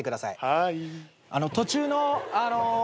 はい。